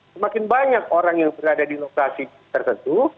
semakin banyak orang yang berada di lokasi tertentu